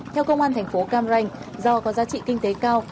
theo công an thành phố cam ranh do có giá trị kinh tế cao